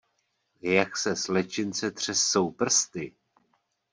Jak se slečince třesou prsty!